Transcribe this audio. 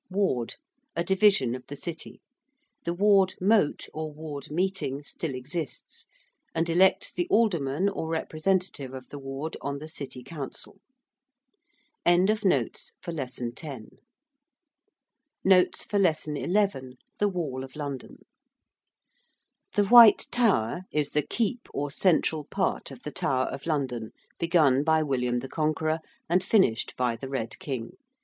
~ward~: a division of the City. The ~ward mote~ or ward meeting still exists, and elects the alderman or representative of the ward on the City Council. 11. THE WALL OF LONDON. The ~White Tower~ is the 'keep' or central part of the Tower of London, begun by William the Conqueror and finished by the Red King.